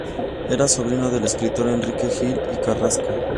Era sobrino del escritor Enrique Gil y Carrasco.